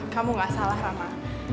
kamu gak salah rama